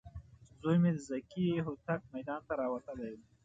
زوی مې ذکي هوتک میدان ته راوتلی و.